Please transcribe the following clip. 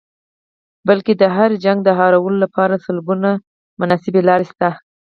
بلکې د هرې شخړې د هوارولو لپاره سلګونه مناسبې لارې شته.